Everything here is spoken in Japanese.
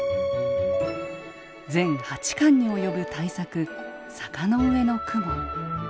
全８巻に及ぶ大作「坂の上の雲」。